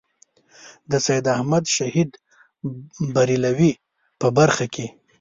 د سید احمد شهید برېلوي په برخه کې.